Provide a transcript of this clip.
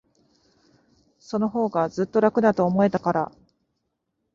そのほうが、ずっと楽だと思えたから。